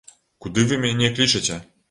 Куды вы мяне клічаце?